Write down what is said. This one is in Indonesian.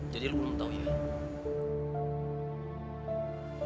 jadi lu belum tau ya